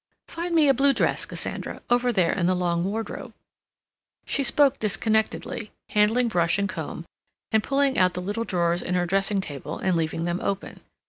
Find me a blue dress, Cassandra, over there in the long wardrobe." She spoke disconnectedly, handling brush and comb, and pulling out the little drawers in her dressing table and leaving them open.